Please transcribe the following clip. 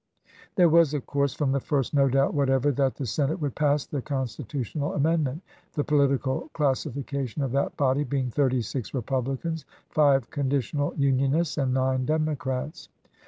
There was, of course, from the first no doubt whatever that the Senate would pass the constitu tional amendment, the political classification of that body being thirty six Republicans, five Con ditional Unionists, and nine Democrats.